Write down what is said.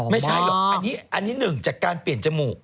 ไม่ใช่หรอกอันนี้หนึ่งจากการเปลี่ยนจมูก